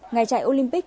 ngày chạy olympic